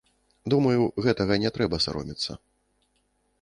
Думаю, гэтага не трэба саромецца.